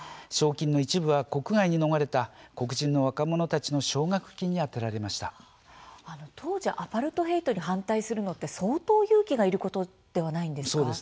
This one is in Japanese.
賞金の一部は国外に逃れた黒人の若者たちの奨学金に当時アパルトヘイトに反対するのって相当勇気がいることではないんですか。